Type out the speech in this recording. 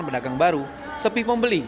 pedagang baru sepi membeli